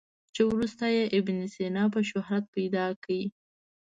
چې وروسته یې ابن سینا په شهرت پیدا کړ.